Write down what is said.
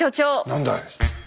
何だい。